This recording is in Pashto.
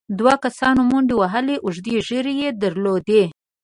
دوو کسانو منډې وهلې، اوږدې ږېرې يې درلودې،